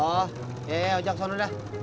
oh ya ya ojak suara udah